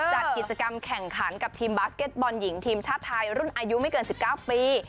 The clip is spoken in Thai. จัดกิจกรรมแข่งขันกับทีมบาสเก็ตบอลหญิงทีมชาติไทยรุ่นอายุไม่เกิน๑๙ปี